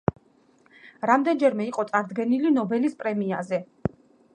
რამდენჯერმე იყო წარდგენილი ნობელის პრემიაზე.